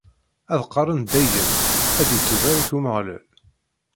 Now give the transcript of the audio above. Ad qqaren dayem: ad ittubarek Umeɣlal.